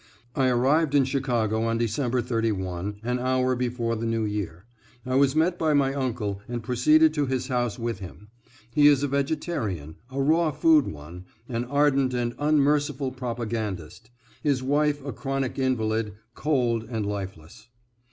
I arrived in Chicago on December 31, an hour before the new year. I was met by my uncle and proceeded to his house with him. He is a vegetarian, a raw food one, an ardent and unmerciful propagandist; his wife a chronic invalid, cold and lifeless.